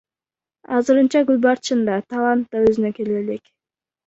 Азырынча Гүлбарчын да, Талант да өзүнө келе элек.